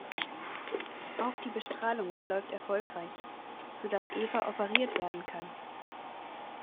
Auch die Bestrahlung verläuft erfolgreich, so dass Eva operiert werden kann.